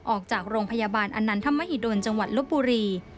ออกจากโรงพยาบาลอนันทมหิดลจังหวัดลบบุรี